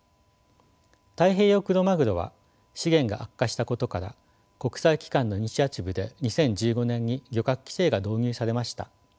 太平洋クロマグロは資源が悪化したことから国際機関のイニシアチブで２０１５年に漁獲規制が導入されました。